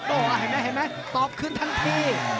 ไหมตอบคืนทันที